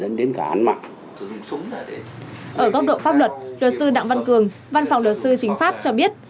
ở góc độ pháp luật luật sư đặng văn cường văn phòng luật sư chính pháp cho biết